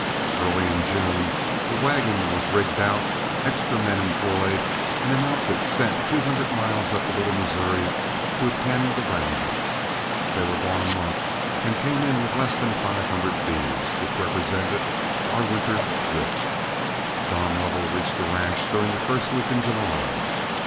Early in June a wagon was rigged out, extra men employed, and an outfit sent two hundred miles up the Little Missouri to attend the round ups. They were gone a month and came in with less than five hundred beeves, which represented our winter drift. Don Lovell reached the ranch during the first week in July.